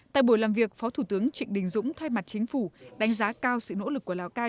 tại buổi làm việc phó thủ tướng trịnh đình dũng thay mặt chính phủ đánh giá cao sự nỗ lực của lào cai